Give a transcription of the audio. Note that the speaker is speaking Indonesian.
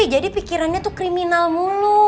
pikirannya tuh kriminal mulu